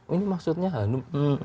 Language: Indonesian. ini maksudnya hanum